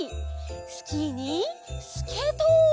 スキーにスケート！